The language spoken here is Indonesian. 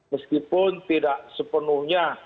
meskipun tidak sepenuhnya